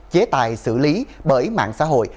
chế tài xử lý bởi mạng xã hội